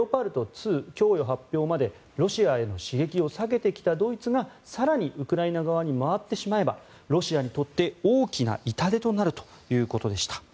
２供与発表までロシアへの刺激を避けてきたドイツが更にウクライナ側に回ってしまえばロシアにとって大きな痛手となるということでした。